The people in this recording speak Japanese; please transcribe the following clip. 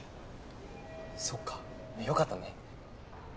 そっかよかったね。